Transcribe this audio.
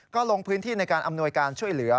ก็ลงพื้นที่ในการอำนวยการช่วยเหลือ